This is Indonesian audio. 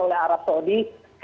oleh arab saudi